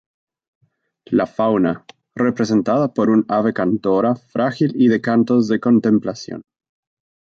La fauna; representada por un ave cantora, frágil y de cantos de contemplación.